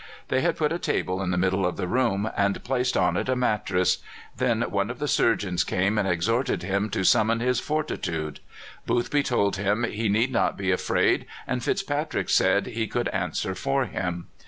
They had put a table in the middle of the room, and placed on it a mattress. Then one of the surgeons came and exhorted him to summon his fortitude. Boothby told him he need not be afraid, and FitzPatrick said he could answer for him.